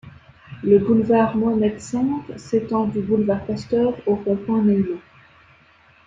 Le boulevard Mohammed-V s'étend du boulevard Pasteur au rond-point Nejma.